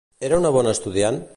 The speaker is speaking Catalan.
Era una bona estudiant?